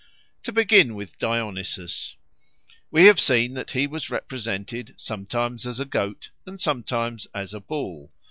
To begin with Dionysus. We have seen that he was represented sometimes as a goat and sometimes as a bull.